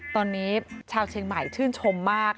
ตอนนี้ชาวเชียงใหม่ชื่นชมมาก